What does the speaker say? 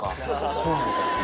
そうなんだ。